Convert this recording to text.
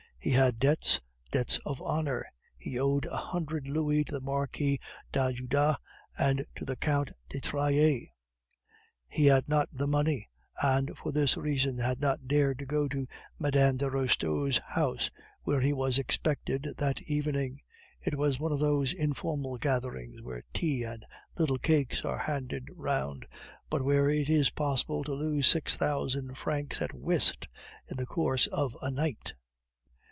He had debts, debts of honor. He owed a hundred louis to the Marquis d'Ajuda and to the Count de Trailles; he had not the money, and for this reason had not dared to go to Mme. de Restaud's house, where he was expected that evening. It was one of those informal gatherings where tea and little cakes are handed round, but where it is possible to lose six thousand francs at whist in the course of a night.